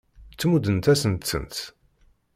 Tmuddemt-asent-tent.